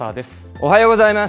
おはようございます。